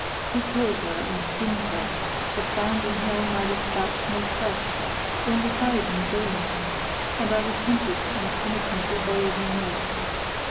He killed her and skinned her but found in her neither fat nor flesh, only hide and bone; and I repented when penitence availed me naught.